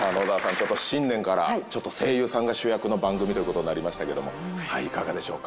ちょっと新年からちょっと声優さんが主役の番組という事になりましたけどもいかがでしょうか？